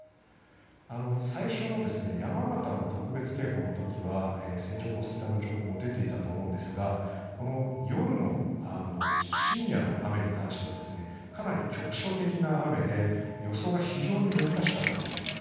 最初の山形の特別警報の時は線状降水帯の情報も出ていたと思うんですが深夜の雨に関してはかなり局所的な雨で予想が非常に難しかったと。